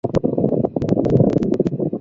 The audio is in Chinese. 皇佑元年十一月卒。